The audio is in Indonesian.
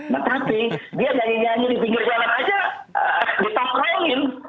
nah tapi dia nyanyi nyanyi di pinggir jalan saja ditolongin